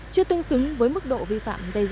có xứng với mức độ vi phạm dây dàng